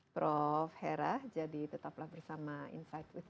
prof hera jadi tetaplah bersama insight with desi amar